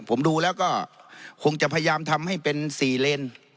ผมดูแล้วก็คงจะพยายามทำให้เป็น๔เลน